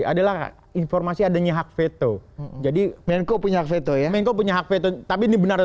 adalah informasi adanya hak veto jadi menko punya veto ya menko punya hak veto tapi ini benar